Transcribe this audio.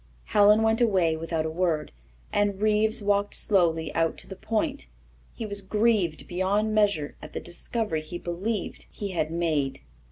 Helen went away without a word, and Reeves walked slowly out to the Point. He was grieved beyond measure at the discovery he believed he had made.